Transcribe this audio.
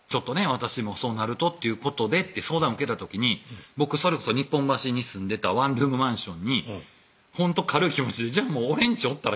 「私もそうなるとっていうことで」って相談受けた時に僕それこそ日本橋に住んでたワンルームマンションにほんと軽い気持ちで「俺んちおったら？